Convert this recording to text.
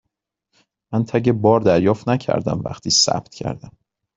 من تگ بار دریافت نکردم وقتی ثبت کردم.